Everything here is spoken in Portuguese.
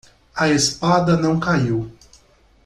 A espada não caiu.